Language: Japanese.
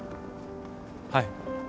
はい。